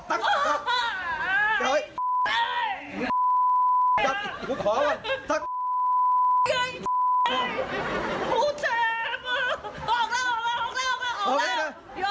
ไปอะนะ